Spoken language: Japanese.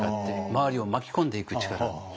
周りを巻き込んでいく力。